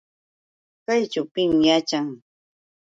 ¿Kayćhu pim yaćhan?